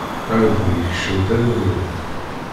Ɛeggu yekcem tannumi-w.